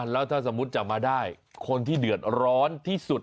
แล้วถ้าสมมุติจับมาได้คนที่เดือดร้อนที่สุด